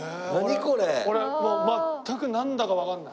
俺もう全くなんだかわかんない。